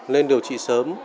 nên điều trị sớm